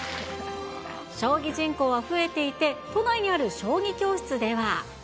将棋人口は増えていて、都内にある将棋教室では。